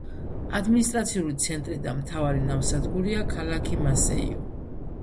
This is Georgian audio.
ადმინისტრაციული ცენტრი და მთავარი ნავსადგურია ქალაქი მასეიო.